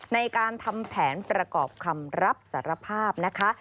ในการทำแผนประกอบคำรับสารภาพนะคะ